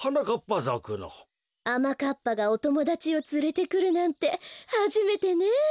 あまかっぱがおともだちをつれてくるなんてはじめてね。